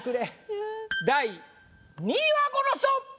第２位はこの人！